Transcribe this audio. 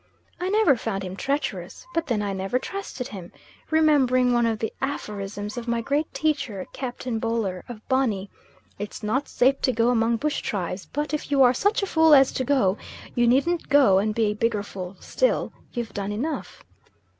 I never found him treacherous; but then I never trusted him, remembering one of the aphorisms of my great teacher Captain Boler of Bonny, "It's not safe to go among bush tribes, but if you are such a fool as to go, you needn't go and be a bigger fool still, you've done enough."